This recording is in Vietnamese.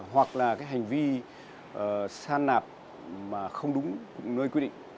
hoặc là cái hành vi san nạp mà không đúng nơi quy định